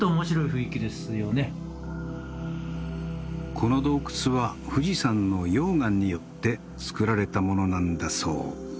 この洞窟は富士山の溶岩によってつくられたものなんだそう。